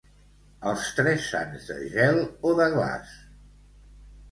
Els tres sants de gel o de glaç.